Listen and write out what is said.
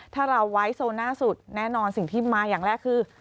ถ้าเราไว้โซน่าสุดแน่นอนสิ่งที่มาอย่างแรกคือ